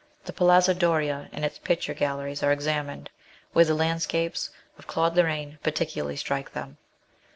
The Palazzo Doria and its picture gallery are examined, where the land scapes of Claude Lorraine particularly strike them.